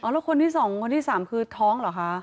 อ๋อแล้วคนที่สองคนที่สามคือท้องเหรอคะ